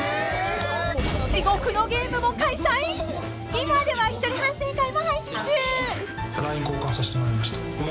［ＴＶｅｒでは一人反省会も配信中］